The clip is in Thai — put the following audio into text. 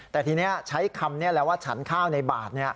แต่ทีนี้หลังสักค่าวใช้คำขาวในบาท